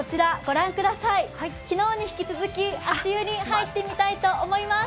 昨日に引き続き、足湯に入ってみたいと思います。